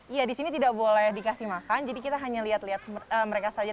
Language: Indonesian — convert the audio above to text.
iya di sini tidak boleh dikasih makan jadi kita hanya lihat lihat mereka saja